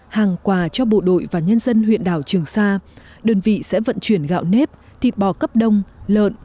hàng quà cho bộ đội và nhân dân huyện đảo trường sa đơn vị sẽ vận chuyển gạo nếp thịt bò cấp đông lợn